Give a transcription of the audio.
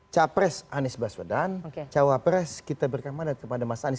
capres anies baswedan cawapres kita berikan mandat kepada mas anies